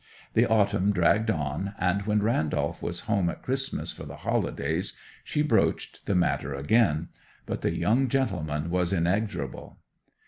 The autumn dragged on, and when Randolph was home at Christmas for the holidays she broached the matter again. But the young gentleman was inexorable.